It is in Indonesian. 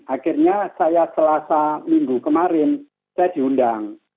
akhirnya saya selasa minggu kemarin saya diundang